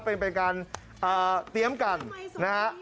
เป็นการเตรียมกันนะครับ